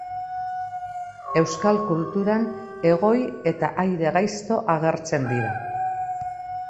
Euskal kulturan Egoi eta Aire-gaizto agertzen dira.